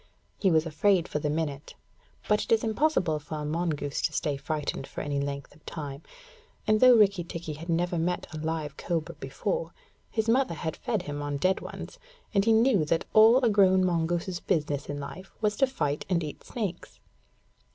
He was afraid for the minute; but it is impossible for a mongoose to stay frightened for any length of time, and though Rikki tikki had never met a live cobra before, his mother had fed him on dead ones, and he knew that all a grown mongoose's business in life was to fight and eat snakes.